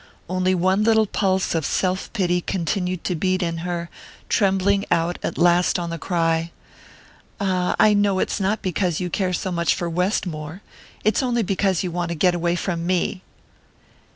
Only one little pulse of self pity continued to beat in her, trembling out at last on the cry: "Ah, I know it's not because you care so much for Westmore it's only because you want to get away from me!"